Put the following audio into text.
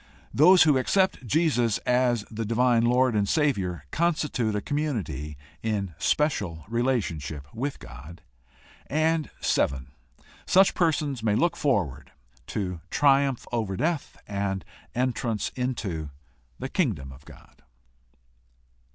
Those who accept Jesus as the divine Lord and Savior constitute a community in special relationship with God. 7. Such persons may look forward to triumph over death and entrance into the Kingdom of God.